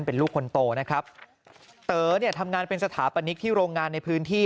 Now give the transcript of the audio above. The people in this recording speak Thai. เป็นลูกคนโตนะครับเต๋อเนี่ยทำงานเป็นสถาปนิกที่โรงงานในพื้นที่